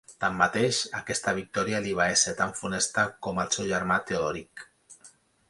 Tanmateix, aquesta victòria li va ésser tan funesta com al seu germà Teodoric.